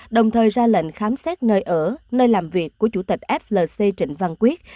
đồng thời ra lệnh khám xét nơi ở nơi làm việc của chủ tịch flc trịnh văn quyết